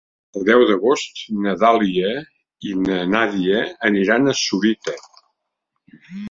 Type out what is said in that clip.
El deu d'agost na Dàlia i na Nàdia aniran a Sorita.